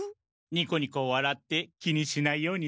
ニコニコわらって気にしないようにするんです。